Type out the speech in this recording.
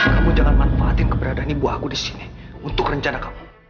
kamu jangan manfaatin keberadaan ibu aku di sini untuk rencana kamu